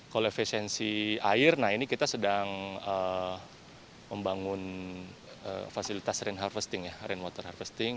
kalau efisiensi air ini kita sedang membangun fasilitas rain water harvesting